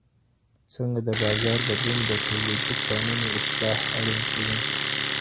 څنګه د بازار بدلون د تولیدي پلانونو اصلاح اړین کوي؟